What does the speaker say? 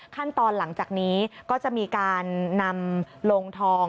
ขั้นตอนหลังจากนี้ก็จะมีการนำลงทอง